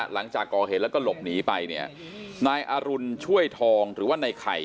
หลังจากก่อเหตุแล้วก็หลบหนีไปเนี่ยนายอรุณช่วยทองหรือว่าในไข่